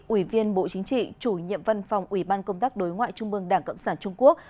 ủy viên bộ chính trị chủ nhiệm văn phòng ủy ban công tác đối ngoại trung mương đảng cộng sản trung quốc